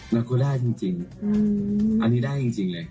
แล้วก็ได้จริงอันนี้ได้จริงเลย